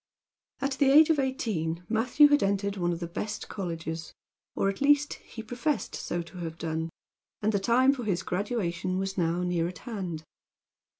At the age of eighteen Matthew had entered one of the best colleges, or, at least, he professed so to have done, and the time for his graduation was now near at hand.